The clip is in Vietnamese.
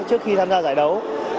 trước khi tham gia giải đấu